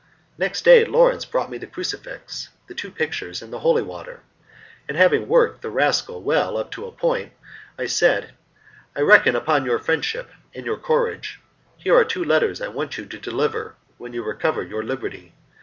Next day Lawrence brought me the crucifix, the two pictures, and the holy water, and having worked the rascal well up to the point, I said, "I reckon upon your friendship and your courage. Here are two letters I want you to deliver when you recover your liberty.